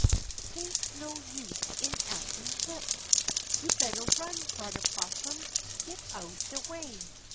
'Tain't no use in actin' flip, You better run, Brudder 'Possum, git out de way!